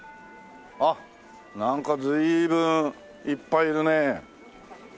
あっなんか随分いっぱいいるね。